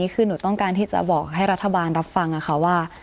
คือหนูต้องการที่จะบอกให้รัฐบาลรับฟังค่ะว่า